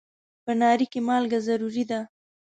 په ناري کې مالګه ضروري ده.